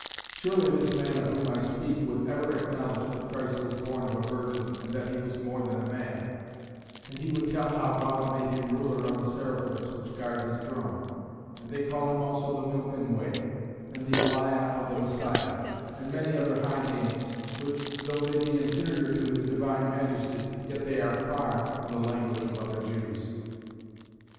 Surely this man of whom I speak would ever acknowledge that Christ was born of a virgin and that he was more than a man; and he would tell how God made him ruler of the seraphims which guard his throne; and they call him also the Milken Way, and the Eliah of the Messiah; and many other high names; which though they be inferior to his divine majesty, yet they are far from the language of other Jews.